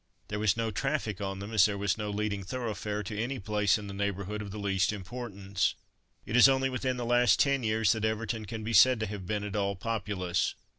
There was no traffic on them as there was no leading thoroughfare to any place in the neighbourhood of the least importance. It is only within the last ten years that Everton can be said to have been at all populous.